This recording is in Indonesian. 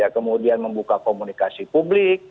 kemudian membuka komunikasi publik